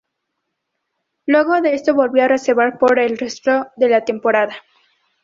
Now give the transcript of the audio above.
Luego de esto volvió a reserva por el resto de la temporada.